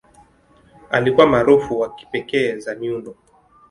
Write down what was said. Alikuwa maarufu kwa kipekee za miundo.